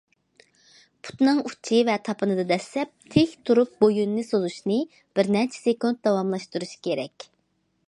پۇتنىڭ ئۇچى ۋە تاپىنىدا دەسسەپ تىك تۇرۇپ بويۇننى سوزۇشنى بىرنەچچە سېكۇنت داۋاملاشتۇرۇش كېرەك.